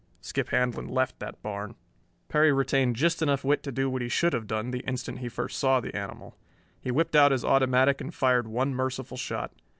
Skip Handlon left that barn. Perry retained just enough wit to do what he should have done the instant he first saw the animal. He whipped out his automatic and fired one merciful shot.